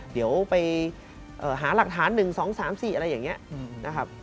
เดี๋ยวไปหาหลักฐาน๑๒๓๔อะไรอย่างนี้นะครับ